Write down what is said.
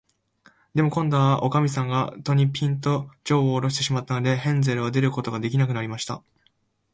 でも、こんどは、おかみさんが戸に、ぴんと、じょうをおろしてしまったので、ヘンゼルは出ることができなくなりました。